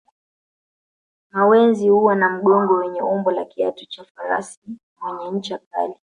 Mawenzi huwa na mgongo wenye umbo la kiatu cha farasi mwenye ncha kali